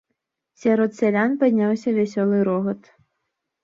Сярод сялян падняўся вясёлы рогат.